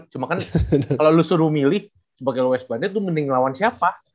cuman kan kalo lu suruh milih sebagai west bandit tuh mending lawan siapa